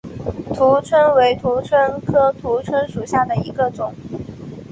蜍蝽为蜍蝽科蜍蝽属下的一个种。